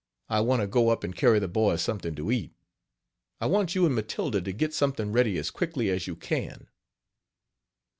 I want to go up and carry the boys something to eat. I want you and Matilda to get something ready as quickly as you can.